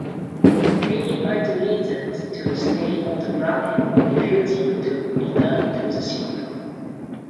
Many find reasons to stay on the planet, refusing to return to the ship.